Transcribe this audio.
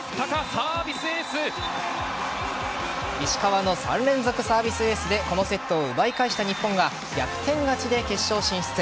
石川の３連続サービスエースでこのセットを奪い返した日本が逆転勝ちで決勝進出。